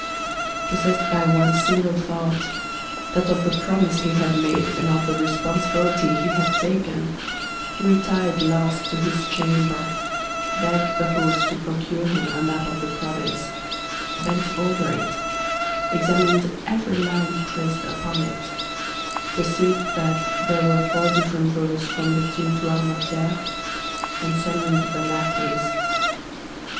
Possessed by one single thought—that of the promise he had made, and of the responsibility he had taken—he retired last to his chamber, begged the host to procure him a map of the province, bent over it, examined every line traced upon it, perceived that there were four different roads from Béthune to Armentières, and summoned the lackeys.